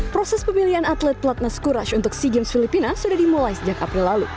proses pemilihan atlet pelatnas courage untuk sea games filipina sudah dimulai sejak april lalu